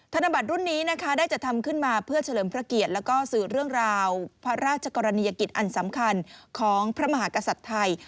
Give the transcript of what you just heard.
ธนบัตรรุ่นนี้นะคะได้จะทำขึ้นมาเพื่อเฉลิมพระเกียรติแล้วก็สื่อเรื่องราวพระราชกรณียกิจอันสำคัญของพระมหากษัตริย์ไทย